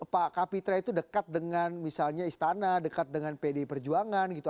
pak kapitra itu dekat dengan misalnya istana dekat dengan pdi perjuangan gitu